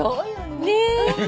ねえ。